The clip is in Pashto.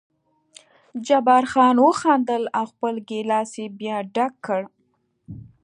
جبار خان وخندل او خپل ګیلاس یې بیا ډک کړ.